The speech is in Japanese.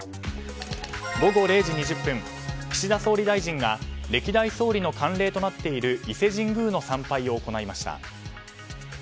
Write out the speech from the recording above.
午後０時２０分岸田総理大臣が歴代総理の慣例となっている伊勢神宮の参拝を行いました。